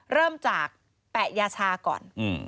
เริ่มจากแปะยาชาก่อน